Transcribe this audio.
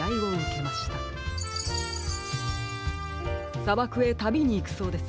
さばくへたびにいくそうです。